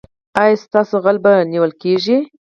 ایا ستاسو غل به نیول کیږي؟